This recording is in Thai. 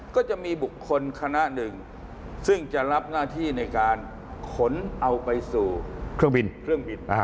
ก็จะมีบุคคลคณะหนึ่งซึ่งจะรับหน้าที่ในการขนเอาไปสู่เครื่องบินเครื่องบิน